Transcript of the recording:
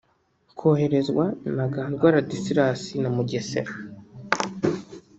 koherezwa Ntagazwa Ladislas na Mugesera